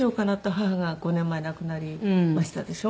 母が５年前亡くなりましたでしょ。